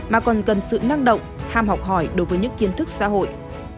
mà còn cần sự năng động ham học hỏi đối với những kiến thức xã hội